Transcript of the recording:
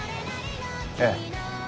ええ。